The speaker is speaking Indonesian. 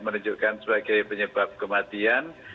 menunjukkan sebagai penyebab kematian